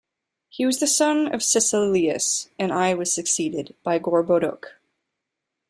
He was the son of Sisillius I and was succeeded by Gorboduc.